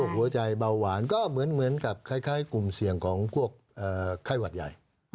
หัวใจเบาหวานก็เหมือนกับคล้ายกลุ่มเสี่ยงของพวกไข้หวัดใหญ่